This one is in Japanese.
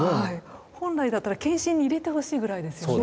本来だったら健診に入れてほしいぐらいですよね。